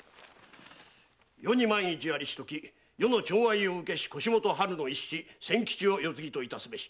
「余に万一ありしとき余の寵愛を受けし腰元・はるの一子千吉を世継ぎといたすべし。